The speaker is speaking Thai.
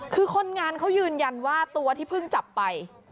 คือคนงานเขายืนยันว่าตัวที่เพิ่งจับไป